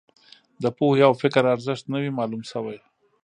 د پوهې او فکر ارزښت نه وي معلوم شوی.